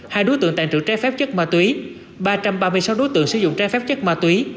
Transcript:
hai đối tượng tàn trữ trái phép chất ma túy ba trăm ba mươi sáu đối tượng sử dụng trái phép chất ma túy